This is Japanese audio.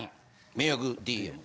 迷惑ＤＭ。